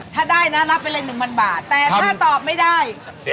ถ้าได้นะนับไปเลยหนึ่งพันบาทแต่ถ้าตอบไม่ได้